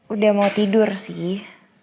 udah mau tidur sih